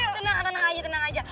tenang aja tenang aja